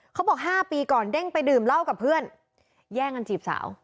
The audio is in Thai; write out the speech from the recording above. เขาบอก๕ปีก่อนเด้งไปดื่มเหล้ากับเพื่อนแย่งกันจีบสาว